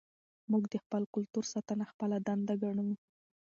موږ د خپل کلتور ساتنه خپله دنده ګڼو.